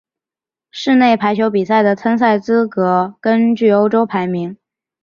室内排球比赛的参赛资格根据欧洲排名。